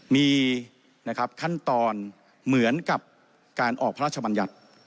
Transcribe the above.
มีขั้นตอนเหมือนกับการออกพระราชบัญญัติ